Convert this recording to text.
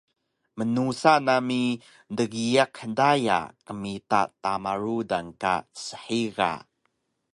Mnusa nami dgiyaq daya qmita tama rudan ka shiga